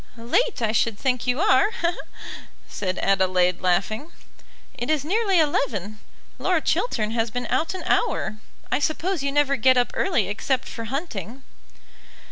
"Late; I should think you are," said Adelaide laughing. "It is nearly eleven. Lord Chiltern has been out an hour. I suppose you never get up early except for hunting."